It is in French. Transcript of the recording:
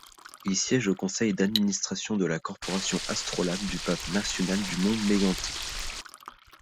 Il siège au conseil d'administration de la corporation Astrolab du parc national du Mont-Mégantic.